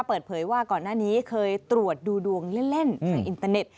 เปิดเผยว่าก่อนหน้านี้เคยตรวจดูดวงเล่นทางอินเตอร์เน็ต